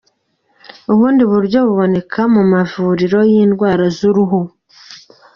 Ubundi buryo buboneka mu mavuriro y’indwara z’uruhu:.